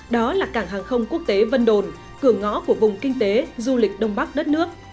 đó là cảng hàng không quốc tế vân đồn cửa ngõ của vùng kinh tế du lịch đông bắc đất nước